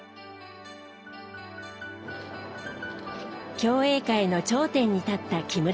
競泳界の頂点に立った木村さん。